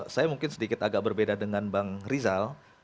saya mungkin sedikit agak berbeda dengan bang rizal